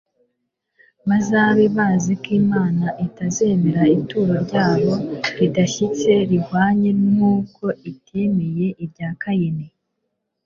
bazabe bazi ko imana itazemera ituro ryabo ridashyitse rihwanye nk'uko itemeye irya kayini